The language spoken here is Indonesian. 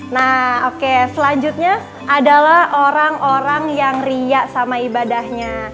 nah oke selanjutnya adalah orang orang yang riak sama ibadahnya